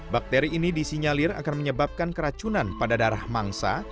bakteri ini disinyalir akan menyebabkan keracunan pada darah mangsa